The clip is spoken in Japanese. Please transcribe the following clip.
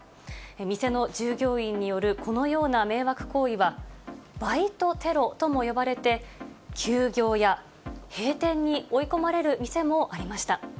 店の従業員によるこのような迷惑行為は、バイトテロとも呼ばれて、休業や閉店に追い込まれる店もありました。